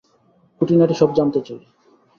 খুঁটিনাটি সব শুনতে চাই।